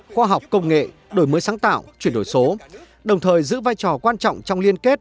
khoa học công nghệ đổi mới sáng tạo chuyển đổi số đồng thời giữ vai trò quan trọng trong liên kết